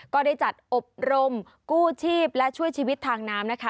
ก็ได้จัดอบรมกู้ชีพและช่วยชีวิตทางน้ำนะคะ